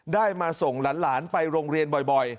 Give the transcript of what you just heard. ได้มาส่งหลานไปโรงเรียนบ่อย